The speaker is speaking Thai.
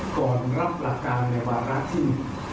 ก่อนรับราการในวาระที่๑